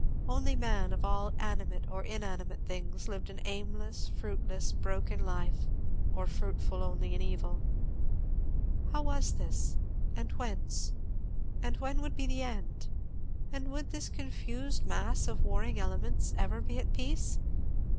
Only man, of all animate or inanimate things, lived an aimless, fruitless, broken life, or fruitful only in evil. How was this? and whence? and when would be the end? and would this confused mass of warring elements ever be at peace?